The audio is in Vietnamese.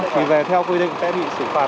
vì về theo quy định sẽ bị xử phạt